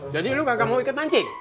jadi lu gak mau ikut mancing